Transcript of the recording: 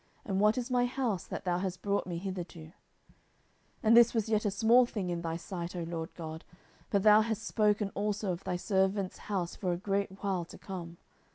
and what is my house, that thou hast brought me hitherto? 10:007:019 And this was yet a small thing in thy sight, O Lord GOD; but thou hast spoken also of thy servant's house for a great while to come.